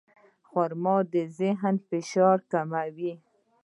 خرما د ذهني فشار کموي.